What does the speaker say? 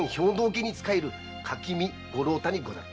家に仕える垣見五郎太にござる。